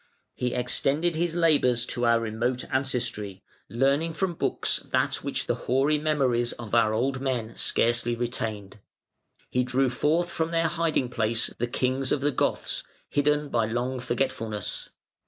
He extended his labours to our remote ancestry, learning from books that which the hoary memories of our old men scarcely retained. He drew forth from their hiding place the Kings of the Goths, hidden by long forgetfulness.